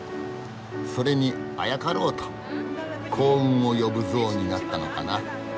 それにあやかろうと「幸運を呼ぶ像」になったのかな。